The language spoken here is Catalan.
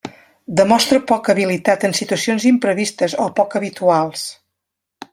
Demostra poca habilitat en situacions imprevistes o poc habituals.